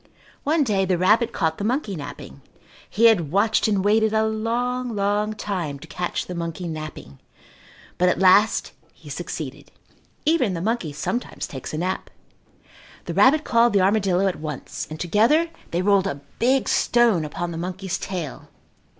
One day the rabbit caught the monkey napping. He had watched and waited a long, long time to catch the monkey napping, but at last he succeeded. Even the monkey sometimes takes a nap. The rabbit called the armadillo at once and together they rolled a big stone upon the monkey's tail.